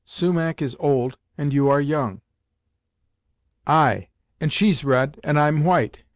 Sumach is old, and you are young!" "Ay and she's red, and I'm white.